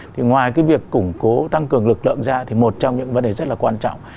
thì ngoài cái việc củng cố tăng cường lực lượng ra thì một trong những vấn đề rất là quan trọng